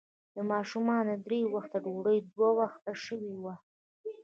د ماشومانو درې وخته ډوډۍ، دوه وخته شوې وه.